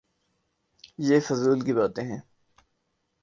یہ فضول کی باتیں ہیں۔